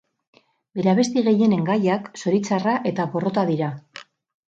Bere abesti gehienen gaiak zoritxarra eta porrota dira.